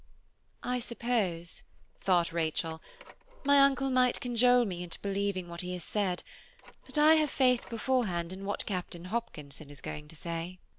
"I suppose," thought Rachel, "my uncle might conjole me into believing what he has said; but I have faith beforehand in what Captain Hopkinson is going to say."